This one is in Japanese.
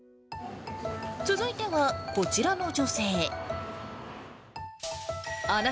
続いては、こちらの女性。